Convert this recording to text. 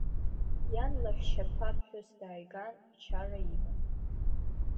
Иан лаҳәшьаԥа ԥҳәыс дааиган, ачара иман.